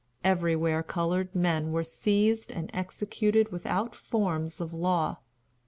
Everywhere colored men were seized and executed without forms of law.